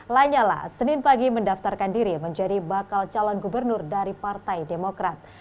lanyala senin pagi mendaftarkan diri menjadi bakal calon gubernur dari partai demokrat